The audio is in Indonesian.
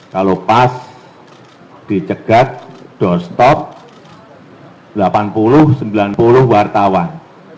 kalau pas dicegat doorstop delapan puluh sembilan puluh wartawan